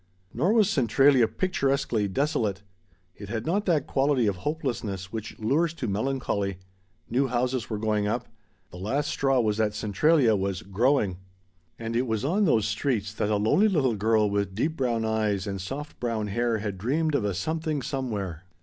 Nor was Centralia picturesquely desolate. It had not that quality of hopelessness which lures to melancholy. New houses were going up. The last straw was that Centralia was "growing." And it was on those streets that a lonely little girl with deep brown eyes and soft brown hair had dreamed of a Something Somewhere.